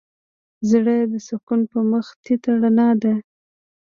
زړه د سکون په مخ تيت رڼا ده.